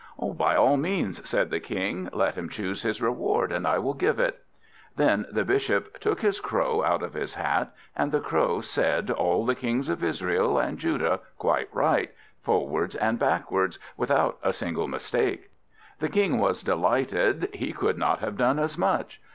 "By all means," said the King; "let him choose his reward, and I will give it." Then the Bishop took his Crow out of his hat, and the Crow said all the kings of Israel and Judah quite right, forwards and backwards, without a single mistake. The King was delighted: he could not have done as much.